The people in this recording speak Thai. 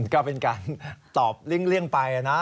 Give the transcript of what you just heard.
ก็เป็นการตอบเลี่ยงไปนะ